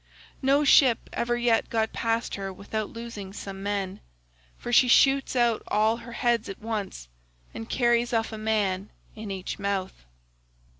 No ship ever yet got past her without losing some men, for she shoots out all her heads at once, and carries off a man in each mouth.